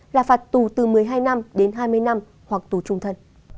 là phạt tù từ một mươi hai năm đến hai mươi năm hoặc tù trung thân